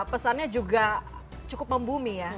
pesannya juga cukup membumi ya